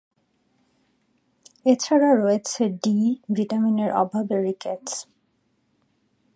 এছাড়া রয়েছে ‘ডি’ ভিটামিনের অভাবে রিকেটস।